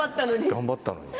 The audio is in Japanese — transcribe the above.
頑張ったのに。